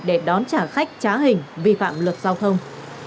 để đón trả khách trá hình vi phạm luật giao thông